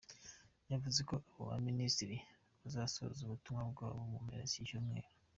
Yavuze ko abo baminisitiri bazasoza ubutumwa bwabo mu mpera z’iki cyumweru.